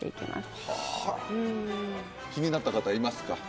気になった方いますか？